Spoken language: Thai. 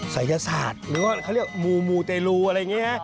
ศัยศาสตร์หรือว่าเขาเรียกมูมูเตรลูอะไรอย่างนี้ฮะ